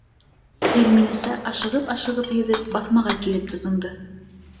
Ғилминиса, ашығып-ашығып йөҙөп, баҫмаға килеп тотондо.